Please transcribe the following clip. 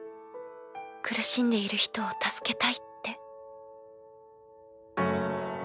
苦しんでいる人を助けたいって。